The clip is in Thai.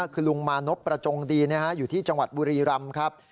คือลุงมานพประจงดีอยู่ที่จังหวัดบุรีรำครับ